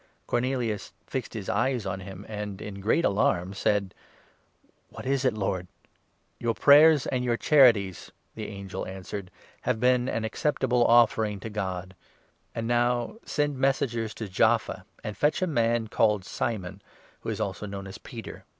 Cornelius fixed his eyes on him and, in great alarm, 4 said :" What is it, Lord ?" "Your prayers and your charities," the angel answered, "have been an acceptable offering to God. And now, send 5 messengers to Jaffa and fetch a man called Simon, who is also known as Peter.